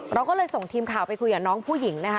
เราก็เลยส่งทีมข่าวไปคุยกับน้องผู้หญิงนะคะ